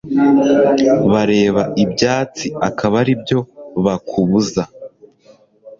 Bareba ibyatsi akaba aribyo bakubuza